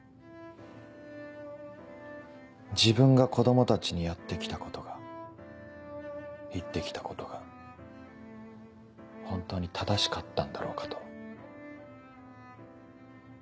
自分が子供たちにやって来たことが言って来たことが本当に正しかったんだろうかと。